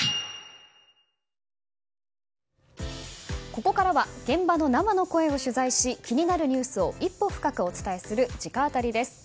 ここから現場の生の声を取材し気になるニュースを一歩深くお伝えする直アタリです。